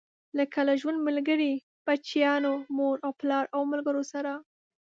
لکه له ژوند ملګري، بچيانو، مور او پلار او ملګرو سره.